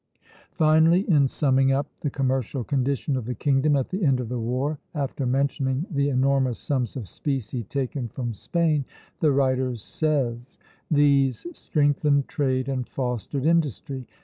Finally, in summing up the commercial condition of the kingdom at the end of the war, after mentioning the enormous sums of specie taken from Spain, the writer says: "These strengthened trade and fostered industry.